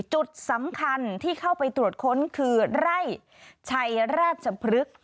จุดสำคัญที่เข้าไปตรวจค้นคือไร่ชัยราชพฤกษ์